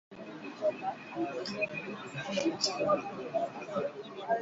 There's never been any irrefutable evidence to support the electroplating theory.